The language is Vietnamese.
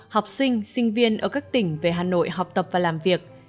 học sinh sinh viên ở các tỉnh về hà nội học tập và làm việc